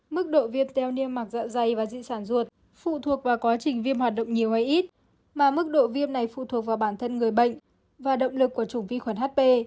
mức độ viêm teo niêm mạc dạ dày và di sản ruột phụ thuộc vào quá trình viêm hoạt động nhiều hay ít mà mức độ viêm này phụ thuộc vào bản thân người bệnh và động lực của chủng vi khuẩn hp